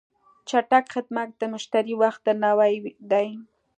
چټک خدمت د مشتری وخت درناوی دی.